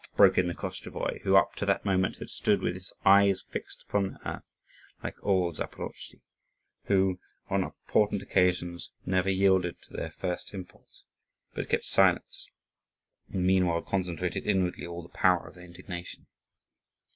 broke in the Koschevoi, who up to that moment had stood with his eyes fixed upon the earth like all Zaporozhtzi, who, on important occasions, never yielded to their first impulse, but kept silence, and meanwhile concentrated inwardly all the power of their indignation.